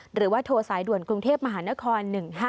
หรือว่าโทรสายด่วนกรุงเทพมหานคร๑๕๗